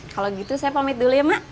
kalau gitu saya pamit dulu ya mak